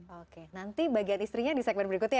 oke nanti bagian istrinya